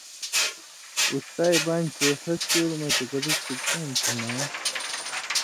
اُستائے بانیۡ چےۡ ݜس شُور مہ چےۡ کتک سکُون تُھو نا